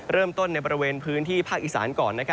เริ่มต้นในบริเวณพื้นที่ภาคอีสานก่อน